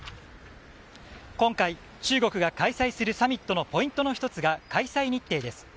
今回、中国が開催するサミットのポイントの１つが開催日程です。